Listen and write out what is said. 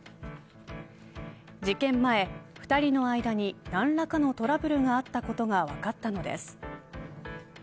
事件前２人の間に何らかのトラブルがあったことが分かったのです。